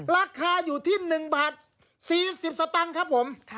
ราคาอยู่ที่๑บาท๔๐สตางค์ครับผม